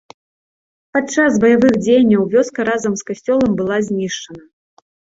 Пад час баявых дзеянняў вёска разам з касцёлам была знішчана.